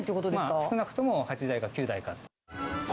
少なくとも８代か９代目。